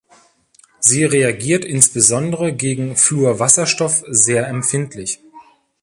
Sie reagiert insbesondere gegen Fluorwasserstoff sehr empfindlich.